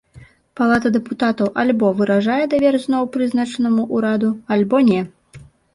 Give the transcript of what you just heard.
Палата дэпутатаў альбо выражае давер зноў прызначанаму ўраду, альбо не.